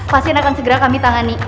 pasien akan segera kami tangani